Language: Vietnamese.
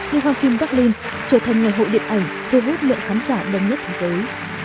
liên hoàn phim bắc linh trở thành ngày hội điện ảnh thu hút lượng khán giả đông nhất thế giới